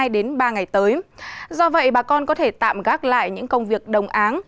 đến ba ngày tới do vậy bà con có thể tạm gác lại những công việc đồng áng